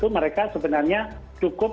mereka sebenarnya cukup